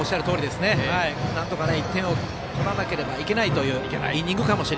なんとか１点を取らなければいけないという。